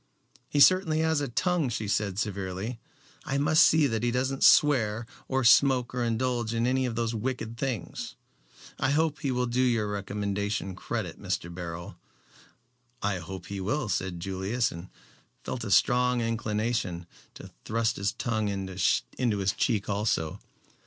"He certainly has a long tongue," she said severely. "I must see that he doesn't swear or smoke or indulge in any of those wicked things. I hope he will do your recommendation credit, Mr. Beryl." "I hope he will," said Julius, and felt a strong inclination to thrust his tongue in his cheek also.